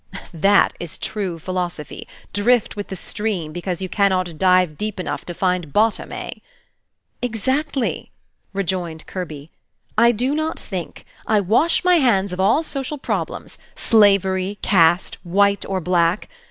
"That is true philosophy. Drift with the stream, because you cannot dive deep enough to find bottom, eh?" "Exactly," rejoined Kirby. "I do not think. I wash my hands of all social problems, slavery, caste, white or black.